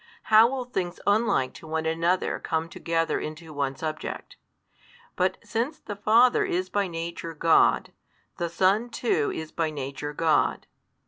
How will things unlike to one another come together into one subject? But since the Father is by Nature God, the Son too is by Nature God.